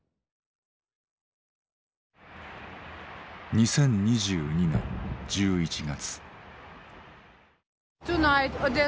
２０２２年１１月。